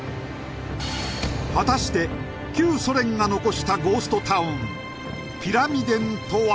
果たして旧ソ連が残したゴーストタウンピラミデンとは